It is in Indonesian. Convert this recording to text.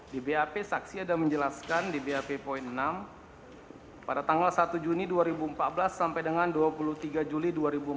di bap saksi ada menjelaskan di bap poin enam pada tanggal satu juni dua ribu empat belas sampai dengan dua puluh tiga juli dua ribu empat belas